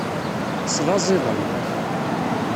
Teslaẓ iḍan.